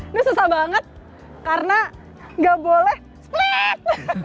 ini susah banget karena nggak boleh split